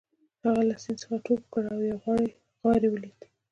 هغه له سیند څخه ټوپ کړ او یو غار یې ولید